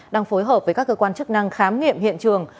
đang phối hợp với các cơ quan chức năng khám nghiệm hiện trường